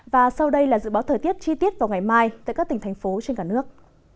và sau đây là dự báo thời tiết chi tiết vào ngày mai tại các tỉnh thành phố trên cả nước